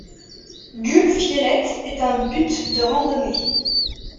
Gullfjellet est un but de randonnées.